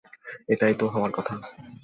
এটাই তো হওয়ার কথা!